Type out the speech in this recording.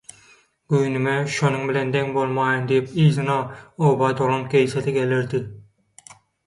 göwnüme «Şonuň bilen deň bolmaýyn» diýip yzyna, oba dolanyp gelse-de gelerdi.